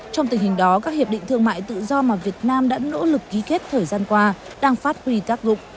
trong tình hình đó các hiệp định thương mại tự do mà việt nam đã nỗ lực ký kết thời gian qua đang phát huy tác dụng